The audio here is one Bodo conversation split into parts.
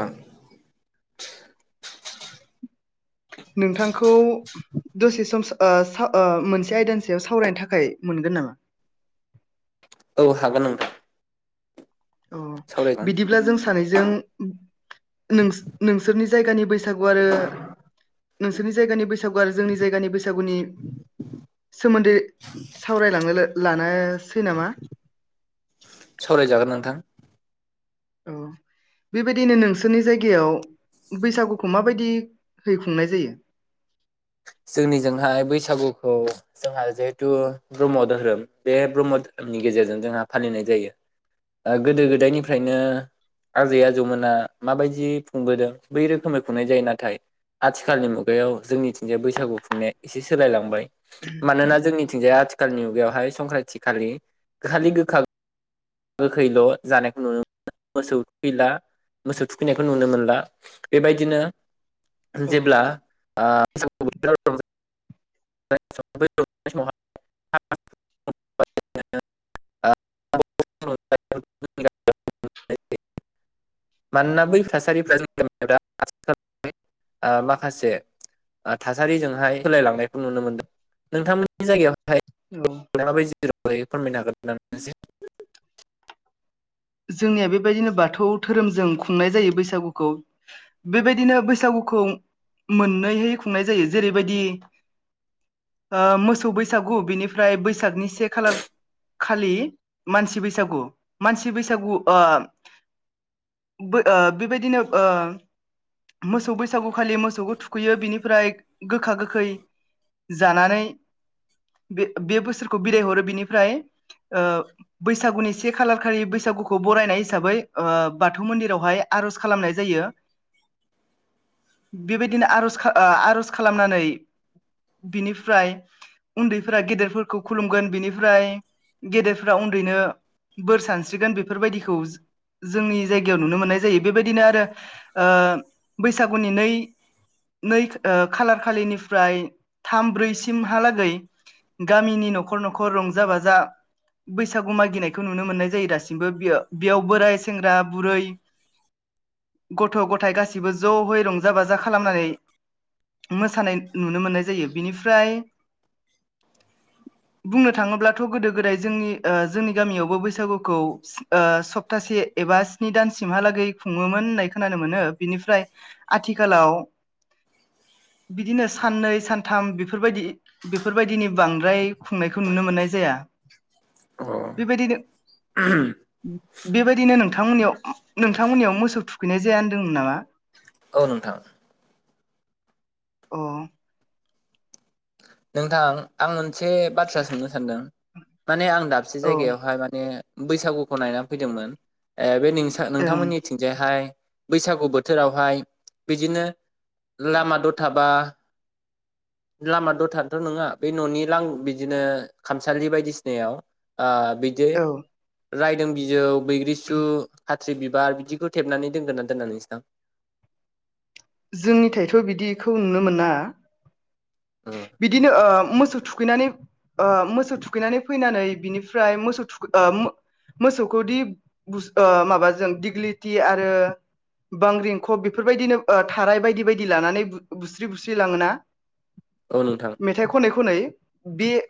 औ। नोंथांखौ दसे सम ओ सा ओ मोनसे आयदानि सायाव सावरायनो थाखाय मोनगोन नामा? औ हागोन नोंथां। अ सावरायगोन बिदिब्ला जों सानैजों नोंसो-नोंसोरनि जायगानि बैसा सागु आरो नोंसोरनि जायगानि बैसागु आरो जों जायगानि बैसा सागुनि सोमोन्दै सावरायलांनो लानोसै नामा? सावरायजागोन नोंथां औ बेबायदिनो नोंसोरनि जायगायाव बैसागुखौ माबायदि है खुंनाय जायो। जोंनिजोंहाय बैसागुखौ जोंहा जिहेथु ब्रह्म धोरोम बे ब्रह्म धोरोमनि गेजेरजों जोंहा फालिनाय जायो गोदो दा गोदायनिफ्रायनो आजै आजौमोना माबायदि खुंबोदों बै रोखोमै खुंनाय जायो नाथाय आथिखालनि मुगायाव जोंनिथिंजाय बैसागु बैसागु खुंनाया एसे सोलायलांबाय मानोना जोंनिथिंजाया आथिखालनि मुगायावहाय संक्रान्ति खालि खालि गोखा गोखैल' जानायखौ नुनो मोनो मोसौ थुखैला मोसौ थुखैनायखौ नुनो मोनला बेबायदिनो औ जेब्ला आ [unintelligible] मानोना बै थासारिफ्रा जोंनि गामियाव दा माखासे थासारिजोंहाय होलायलांनायखौ नुनो मोनदों नोंथांमोननि जायगायाव औ [unintelligible] माबादि [unintelligible] जोंनिया बेबायदिनो बाथौ धोरोमजों खुंनाय जायो बैसागुखौ बेबायदिनो बैसागुखौ मोननैहै खुंनाय जायो जेरैबायदि ओ मोसौ बैसागु बेनिफ्राय बैसागनि से खालार खालि मानसि बैसागु मानसि बैसागु ओ बो ओ बेबायदिनो ओ मोसौ बैसागु खालि मोसौखौ थुखैयो बिनिफ्राय गोखा गोखै जानानै बे-बोसोरखौ बिदायहरो बिनिफ्राय ओ बैसागुनि से खालार खालि बैसागुखौ बरायनाय हिसाबै ओ बाथौ मन्दिरावहाय आर'ज खालामनाय जायो बेबायदिनो आरज खा ओ आर'ज खालामनानै बिनिफ्राय उन्दैफोरा गेदेरफोरखौ खुलुमगोन बिनिफ्राय गेदेरफोरा उन्दैनो बोर सार स्रिगोन बेफोरबायदिखौ जो-जोंनि जायगायाव नुनो मोननाय जायो बेबायदिनो आरो ओ बैसागुनि नै-नै ओ खालार खालिनिफ्राय थाम ब्रैसिमहालागै गामिनि न'खर न'खर रंजा बाजा बैसागु मागिनायखौ नुनो मोननाय जायो दासिम गासिबो बेयो बेयाव बोराय सेंग्रा बुरै गथ' गथायाइ गासिबो ज'यै रंजा बाजा खालामनानै मोसानाय नुनो मोननाय जायो बेनिफ्राय बुंनो थांङोब्लाथ' गोदो गोदाय जोंनि ओ जोंनि गामियावबो बैसागुखौ ओ सबथासे एबा स्नि दानसिमहालागै खुंङोमोन होननाय खोनानो मोनो बिनिफ्राय आथिखालाव बिदिनो साननै सानथाम बेफोरबायदि-बेफोरबायदिनि बांद्राय खुंनायखौ नुनो मोननाय जाया बेबायदिनो [unintelligible] बेबायदिनो नोंथांमोननियाव-नोंथांमोननियाव मोसौ थुखैनाय जाया होनदोंमोन नामा? औ नोंथां। अ' नोंथां आंङो मोनसे बाथ्रा सोंनो सानदों माने आं दाबसे औ जायगायावहाय माने बैसागुखौ नायना फैदोंमोन ओ बे नोंसा ओं नोंथांमोननिथिंजायहाय बैसागु बोथोरावहाय बिदिनो लामा दथाबा लामा द थाथ' नंङा बे न'नि लां बिदिनो खामसालि बायदिसिनायाव ओ बिदि औ रायदों बिजौ बैग्रिसु फाथ्रि बिबार बिदिखौ थेबनानै दोनगोना दोनना नोंसो ना? जोंनिथायथ' बिदिखौ नुनो मोना। औ बिदिनो ओ मोसौ थु खैनानै ओ मोसौ थुखैनानै फैनानै बिनिफ्राय मोसौ थु ओ मो-मोसौखौ दि ओ माबाजों दिग्लिथि आरो बांग्रिंखब बेफोरबायदिनो ओ थाराय बायदि बायदि लानानै बुस्रि बुस्रि लांङोना? औ नोंथां मेथाइ खनै-खनै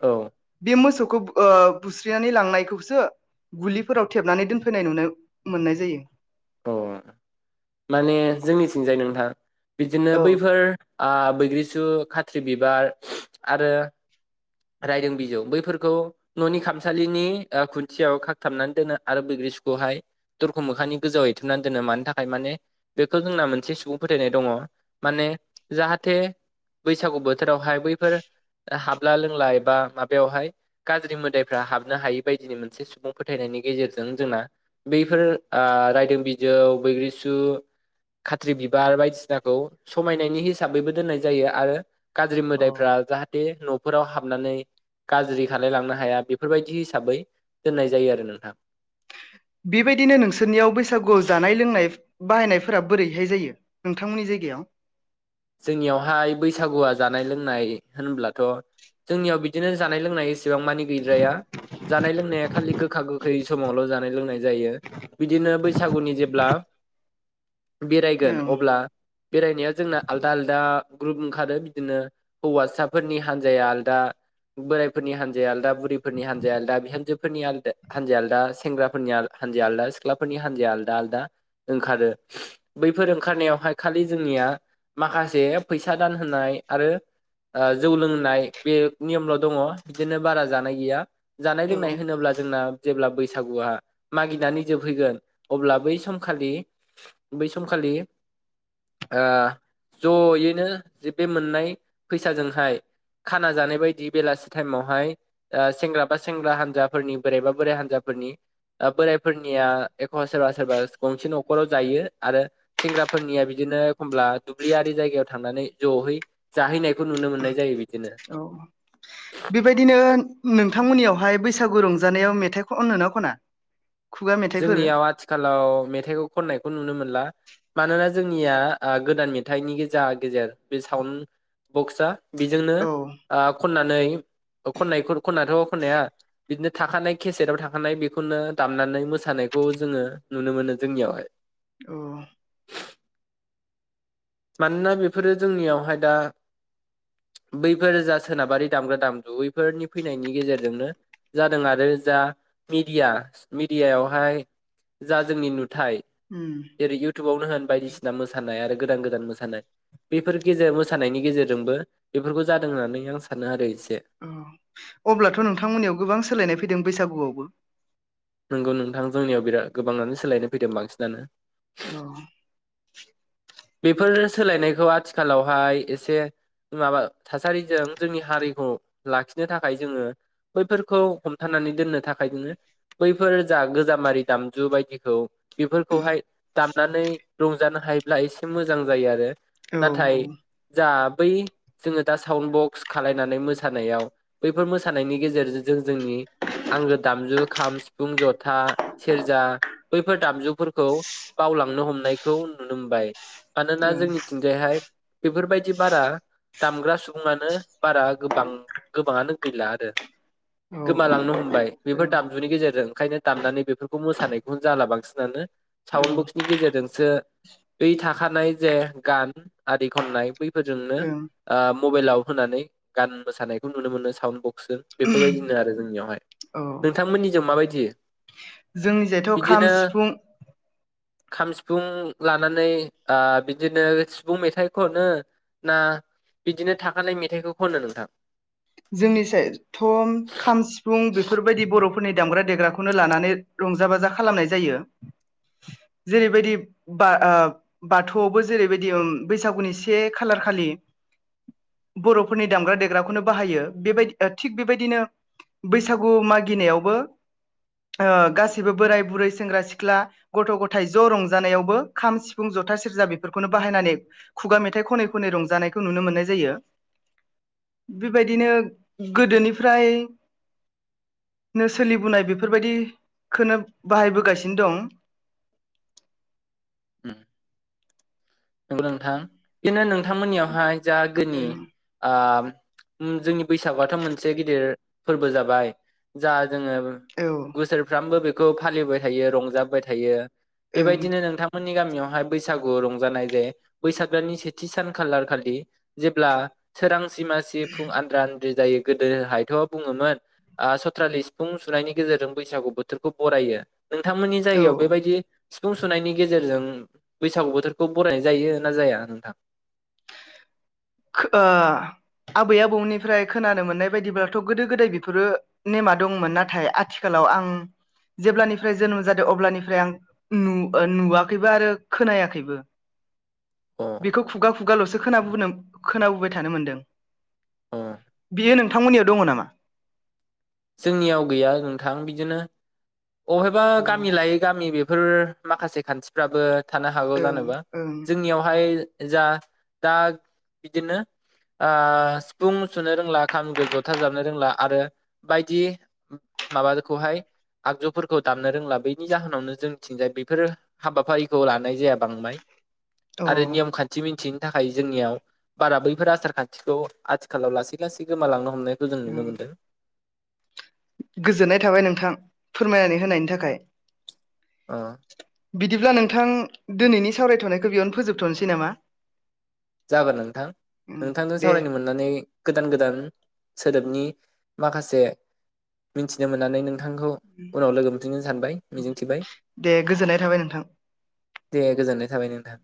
औ मोसौ ओ बुस्रिनानै लांनायखौसो गुलिफोराव थेबनानै दोनफैनाय नुनो मोननाय जायो। अ माने जोंनिथिंजाय नोंथां बिदिनो औ बैफोर ओ बैग्रिसु खाथ्रि बिबार आरो रायदों बिजौ बैफोरखौ न'नि खामसालिनि ओ खुन्थियाव खाखथाबनानै दोनो आरो बैग्रिसुखौहाय दरख' मोखांनि गोजौआव एथुमनानै दोनो मानि थाखाय माने बेखौ जोंना मोनसे सुबुं फोथायनाय दंङ माने जाहाथे बैसागु बोथोरावहाय बैफोर हाबला लों ला एबा माबायावहाय गाज्रि मोदायफ्रा हाबनो हायि बायदिनि मोनसे सुबुं फोथायनायनि गेजेरजों जोंना बैफोर ओ रायदों बिजौ बैग्रिसु खाथ्रि बिबार बायदिसिनाखौ समायनायनि हिसाबैबो दोननाय जायो आरो गाज्रि औ मोदायफ्रा जाहाथे न' फोराव हाबनानै गाज्रि खालायलांनो हाया बेफोरबायदि हिसाबै दोननाय जायो आरो नोंथां। बेबायदिनो नोंसोरनियाव बैसागुआव जानाय-लोंनाय बाहायनायफोरा बोरैहाय जायो नोंथांमोननि जायगायाव? जोंनियावहाय बैसागुआ जानाय लोंनाय होनब्लाथ' जोंनियाव बिदिनो जानाय लोंनाय एसेबां मानि गैद्राया जानाय लोंनाया खालि गोखा गोखै समावल' जानाय लोंनाय जायो बिदिनो बैसागुनि जेब्ला बेरायगोन ओं अब्ला बेरायनाया जोंना दा ग्रुप ओंखारो बिदिनो हौवासाफोरनि हान्जाया आलदा बोरायफोरनि हान्जाया आलदा बुरिफोरनि हानजाया आलदा बिहामजोफोरनि आलदा हान्जाया आलदा सेंग्राफोरनि आल हान्जाया आलदा सिख्लाफोरनि हान्जाया आलदा-आलदा ओंखारो बैफोर ओंखारनायावहाय खालि जोंनिया माखासे फैसा दान होनाय आरो अ जौ लोंनाय बे नियमल' दङ बिदिनो बारा जानाय गैया जानाय लोंनाय होनोब्ला जोंना जेब्ला बैसागुआ मागिनानै जोबहैगोन अब्ला बै समखालि - बै समखालि अ। ज'यैनो जे बे मोननाय फैसाजोंहाय खाना जानाय बायदि बेलासि टाइमावहाय अ सेंग्रा बा सेंग्रा हान्जाफोरनि बोराइबा बोराइ हान्जाफोरनि बोराइफोरनिया एखमबा सोरबा सोरबा गंसे न'खराव जायो आरो सेंग्राफोरनिया बिदिनो एखमब्ला दुब्लियारि जायगायाव थांनानै जहै जाहैनायखौ नुनो मोननाय जायो बिदिनो औ बेबायदिनो नोंथांमोननियावहाय बैसा गु रंजानायाव मेथाइ खनो ना खना? खुगा मेथाइफोर जोंनियाव आथिखालाव मेथाइखौ खननायखौ नुनो मोनला मानोना जोंनिया आ गोदान मेथाइनि जा गेजेर बे साउन्ड बक्सआ बेजोंनो औ आ खनना नै। खननायखोर खननाथ' खननाया बिदिनो थाखानाय केसेटव थाखानाय बेखौनो दामनानै मोसा नायखौ जोङो नुनो मोनो जोंनियावहाय औ। मानोना बेफोरो जोंनियावहाय दा बैफोर जा सोनाबारि दामग्रा दामगु बैफोरनि फैनायनि गेजेरजोंनो जादों आरो जा मिडिया-मिडियायावहाय जा जोंनि नु थाय उम जेरै- इउटिउबावनो होन बायदिसिना मसानाय आरो। गोदान-गो दान मोसानाय बेफोर गेजेर मोसानायनि गेजेरजोंबो बेफोरखौ जादों होननानै आं सानो आरो एस अ अब्लाथ' नोंथांमोननियाव गोबां सोलायनाय फैदों बैसागुआवबो नोंगौ नोंथां जोंनियाव बिराद गोबांआनो सोलायनो फैदों बांसिनानो अ। बेफोर सोलायनायखौ आथिखालावहाय एसे माबा थासारिजों जोंनि हारिखौ लाखिनो थाखाय जोङो बैफोरखौ हमथानानै दोननो थाखाय जोङो बैफोर जा गोजामारि दामजु बायदिखौ बेफोरखौहाय दामनानै रंजानो हायोब्ला एसे मोजां जायो आरो। औ नाथाय जा बै जोङो दा साउन्ड बक्स खालायनानै मोसानायाव बैफोर मोसानायनि गेजेरजों जों जोंनि आंगो दामजु खाम, सिफुं, जथा, सेरजा बैफोर दामजुफोरखौ बावलांनो हमनायखौ नुनो मोनबाय। मानोना जोंनिथिंजायहाय बेफोरबायदि बारा दामग्रा सुबुङानो बारा गोबां गोबाङानो गैला आरो औ गोमालांनो हमबाय बेफोर दामजुनि गेजेरजों ओंखायनो दामनानै बेफोर- खौ मोसानायखौनो जाला बांसिनानो। साउन्ड बक्सनि गेजेरजोंसो दै था खानाय जे गान आरि खननाय बैफोरजोंनो औ आम मबाइलाव होनानै गान मोसानायखौ नुनो मोनो साउड बक्सजों बेफोरबायदिनो आरो जोंनियावहाय। नोंथांमोननिजों माबायदि? जोंनि जायथ' खाम, बिदिनो सिफुं खाम, सिफुं लानानै आ बिदिनो सिफुं मेथाइ खनो ना बिदिनो थाखानाय मेथाइखौ खनो नोंथां? जोंनि साय थम खाम सिफुं बेफोरबायदि बर'फोरनि दामग्रा देग्रा खौनो लानानै रंजा बाजा खालामनाय जायो । जेरैबायदि बा ओ बाथौआवबो जेरैबायदि उम बैसागुनि से खालार खालि बर'फोरनि दामग्रा देग्राखौनो बाहायो ।बेबायदि थिग बेबायदिनो बैसागु मागिनायावबो ओ गासैबो बोराय, बुरै, सेंग्रा सिख्ला, गथ' ग'थाय ज' रंजानायावबो खाम, सिफुं, जथा, सेरजा बेफोरखौनो बाहायनानै खुगा मेथाइ खनै खनै रंजानायखौ नुनो मोननाय जायो। बेबायदिनो गोदोनिफ्रायनो सोलिबोनाय बेफोरबायदिखोनो बाहायबोगासिनो दं। उम। नंगौ नोंथां इनो नोंथांमोननियावहाय जागोनि ओं आम उम जोंनि बैसागुआथ' मोनसे गिदिर फोरबो जाबाय। जा जोङो औ बोसोरफ्रामबो बे खौ फालिबोबाय थायो रंजाबोबाय थायो। ओं बेबायदिनो नोंथांमोन नि गामियावहाय बैसागु रंजानाय जे बैसाग दाननि सेथि सान खालार खालि जेब्ला सोरां सिमासि फुं आद्रान [unintelligible] जायो गोदोहायथ' बुङोमोन आ सथ्रालि सिफुं सुनायनि गेजेरजों बैसागु बोथोरखौ बरायो। नोंथांमोननि जायगायाव औ बेबायदि सिफुं सुनायनि गेजेरजों बैसागु बोथोरखौ बरायनाय जायो ना जाया नोंथां? खो ओ आबै आबौनिफ्राय खोनानो मोननाय बायदिब्लाथ' गोदो गोदाय बेफोरो नेमा दंमोन। नाथाय आथिखालाव आं जेब्लानिफ्राय जोनोम जादों अब्लानिफ्राय आं नु ओ नुवाखैबो आरो खोनायाखैबो। अ बेखौ खुगा खुगाल'सो खोना [unintelligible] खोनाबोबाय थानो मोनदों। अ बियो नोंथांमोननियाव दङ' नामा? जोंनियाव गैया नोंथां बिदिनो अहायबा औ ओं गामि लायो गामि बे गोर माखासे खान्थिफ्राबो थानो हागौ जानोबा ओं जोंनियावहाय जा दा बिदिनो आ सिफुं सुनो रोंला खाम जथा जाबनो रोंला आरो बायदि माबाखौहाय आगजुफोरखौ दामनो रोंला बैनि जाहोनावनो जोंथिंजाय बेफोर हाबाफारिखौ लानाय जाया बांद्राय अ आरो नियम खान्थि मिथिं थाखाय जोंनियाव बारा बैफोर आसार खान्थिखौ आथिखालाव लासै लासै गोमालांनो हमनायखौ जों नुनो ओं मोनदों गोजोननाय थाबाय नोंथां फोरमायनानै होनायनि थाखाय अ' बिदिब्ला नोंथां दिनैनि सावरायथ'नायखौ बेयावनो फोजोबथ'नोसै नामा जागोन नोंथां उम नोंथांजों दे सावरायनो मोननानै गोदान गोदान सोदोबनि माखासे मिथिनो मोननानै नों नोंथांखौ उनाव लोगो मोनफिनगोन सानबाय मिजिं थिबाय दे गोजोननाय थाबाय नोंथां दे गोजोननाय थाबाय नोंथां